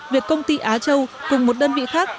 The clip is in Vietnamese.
việc công ty á châu cùng một đơn vị khác